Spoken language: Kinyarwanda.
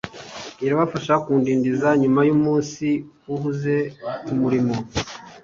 Irabafasha kudindiza nyuma yumunsi uhuze kumurimo